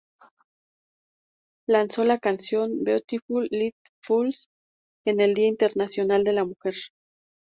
Lanzó la canción "Beautiful Little Fools" en el Día internacional de la mujer.